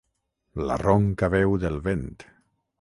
La ronca veu del vent.